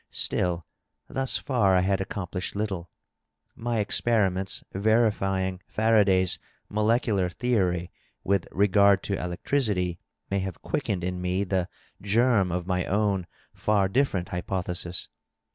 Still, thus far I had accomplished little. My experiments verifying Faraday's molecular theory with regard to electricity may have quickened in me the germ of my own far diflerent hypothesis.